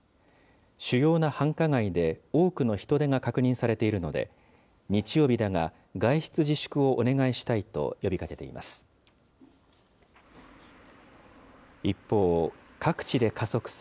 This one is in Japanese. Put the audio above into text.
主要な繁華街で多くの人出が確認されているので、日曜日だが、外出自粛をお願いしたいと呼びかけています。